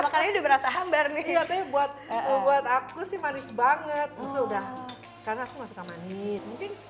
makan hidup rasa hambar nih buat buat aku sih manis banget udah karena aku masuk amanit mungkin